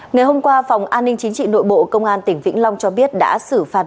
ngày hôm qua phòng an ninh chính trị nội bộ công an tỉnh vĩnh long cho biết đã xử phạt